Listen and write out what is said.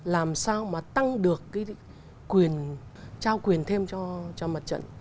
làm sao mà tăng được cái quyền trao quyền thêm cho mặt trận